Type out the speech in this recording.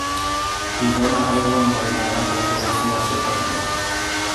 Li dóna aigua enverinada per posar fi al seu patiment.